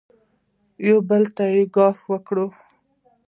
یو بل ته یې ګواښ وکړ.